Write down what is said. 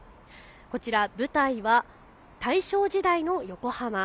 こちら舞台は大正時代の横浜。